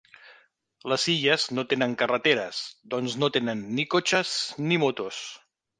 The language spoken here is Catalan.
Les illes no tenen carreteres, doncs no tenen ni cotxes ni motos.